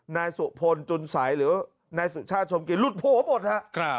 นายสุโพนจุลสัยหรือนายสุชาชมกิจหลุดโผหมดค่ะ